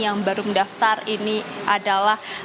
yang baru mendaftar ini adalah